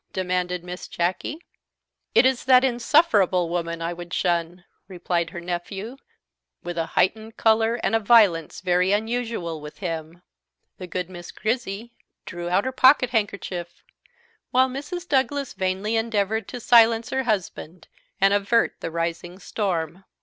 demanded Miss Jacky. "It is that insufferable woman I would shun," replied her nephew, with a heightened colour and a violence very unusual with him. The good Miss Grizzy drew out her pocket handkerchief, while Mrs. Douglas vainly endeavoured to silence her husband, and avert the rising storm.